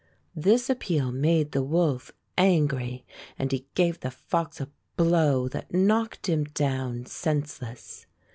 '' This appeal made the wolf angry, and he gave the fox a blow that knocked him down, senseless.